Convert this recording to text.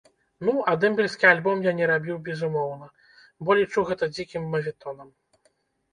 Ну, а дэмбельскі альбом я не рабіў безумоўна, бо лічу гэта дзікім маветонам.